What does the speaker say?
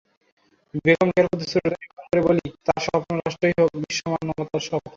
বেগম রোকেয়ার প্রতি শ্রদ্ধা নিবেদন করে বলি, তাঁর স্বপ্নরাষ্ট্রই হোক বিশ্বমানবতার স্বপ্ন।